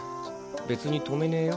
別に止めねぇよ。